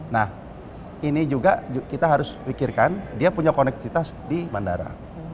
nah ini juga kita harus pikirkan dia punya konektivitas di bandara